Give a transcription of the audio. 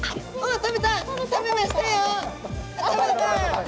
食べました！